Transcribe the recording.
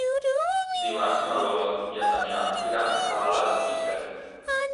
Dimarts na Lola i en Damià iran a Alàs i Cerc.